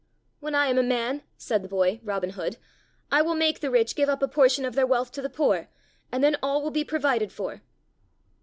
"When I am a man," said the boy, Robin Hood, "I will make the rich give up a portion of their wealth to the poor, and then all will be provided for."